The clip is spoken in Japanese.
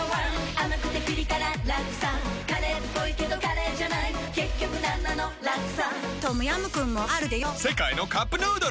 甘くてピリ辛ラクサカレーっぽいけどカレーじゃない結局なんなのラクサトムヤムクンもあるでヨ世界のカップヌードル